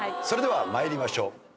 それでは参りましょう。